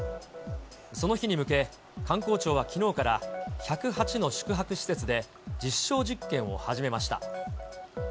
その日に向け、観光庁はきのうから、１０８の宿泊施設で実証実験を始めました。